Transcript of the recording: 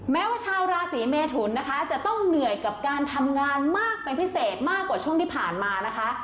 แม้ว่าชาวราศีเมทุนนะคะจะต้องเหนื่อยกับการทำงานมากเป็นพิเศษมากกว่าช่วงที่ผ่านมานะคะ